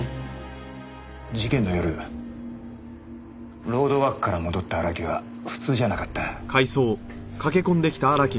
事件の夜ロードワークから戻った荒木は普通じゃなかった。